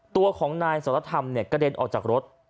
ตัวของนายสรธรรมกระเด็นออกจากรถ